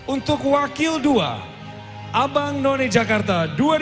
untuk wakil dua abang none jakarta dua ribu dua puluh